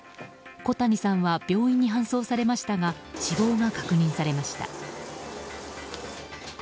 小谷さんは病院に搬送されましたが死亡が確認されました。